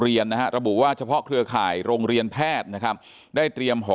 เรียนนะฮะระบุว่าเฉพาะเครือข่ายโรงเรียนแพทย์นะครับได้เตรียมหอ